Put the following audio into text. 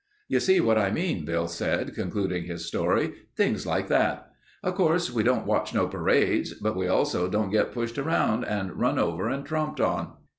"You see what I mean," Bill said, concluding his story. "Things like that. Of course we don't watch no parades but we also don't get pushed around and run over and tromped on."